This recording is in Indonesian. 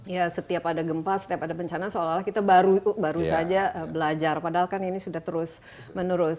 ya setiap ada gempa setiap ada bencana seolah olah kita baru saja belajar padahal kan ini sudah terus menerus